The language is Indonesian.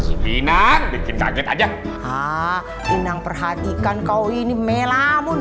ini belum terbukti ber generally